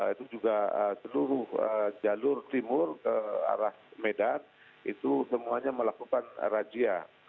itu juga seluruh jalur timur ke arah medan itu semuanya melakukan rajia